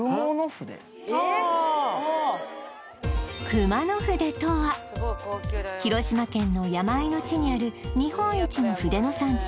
熊野筆とは広島県の山あいの地にある日本一の筆の産地